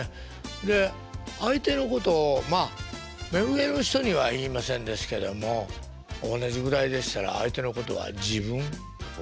で相手のことをまあ目上の人には言いませんですけども同じぐらいでしたら相手のことは「自分」。